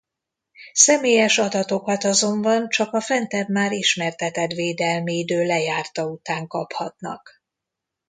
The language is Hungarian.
Személyes adatokat azonban csak a fentebb már ismertetett védelmi idő lejárta után kaphatnak.